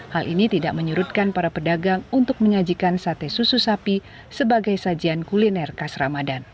hal ini tidak menyurutkan para pedagang untuk menyajikan sate susu sapi sebagai sajian kuliner khas ramadan